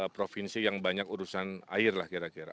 provinsi yang banyak urusan air lah kira kira